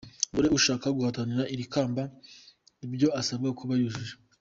Dore ushaka guhatanira iri kamba ibyo asabwa kuba yujuje:.